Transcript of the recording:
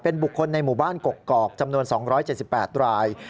บุคคลในหมู่บ้านกกอกจำนวน๒๗๘ราย